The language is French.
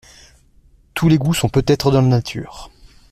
Tous les goûts sont peut être dans la nature.